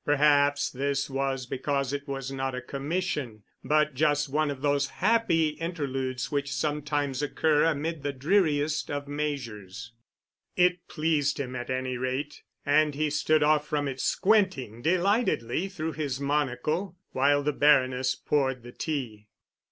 Perhaps this was because it was not a commission, but just one of those happy interludes which sometimes occur amid the dreariest of measures. It pleased him, at any rate, and he stood off from it squinting delightedly through his monocle while the Baroness poured the tea.